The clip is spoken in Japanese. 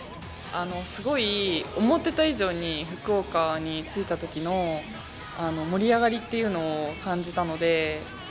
すごい思っていた以上に福岡に着いた時の盛り上がりというのを感じたので。